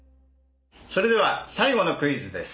それでは最後のクイズです。